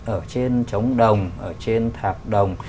ở trên trống đồng ở trên thạp đồng